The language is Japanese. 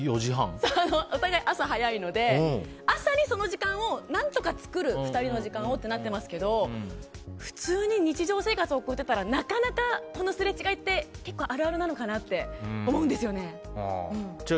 お互い、朝早いので朝にその時間を何とか作る２人の時間をってなってますけど普通に日常生活を送ってたらなかなか、このすれ違いって結構あるあるなのかなって思うんですよね。